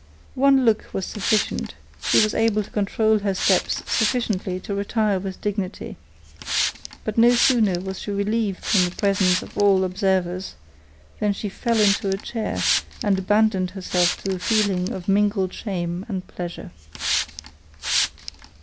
One look was sufficient; she was able to control her steps sufficiently to retire with dignity; but no sooner was she relieved from the presence of all observers, than she fell into a chair and abandoned herself to a feeling of mingled shame and pleasure.